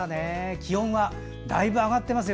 気温はだいぶ上がっていますよ。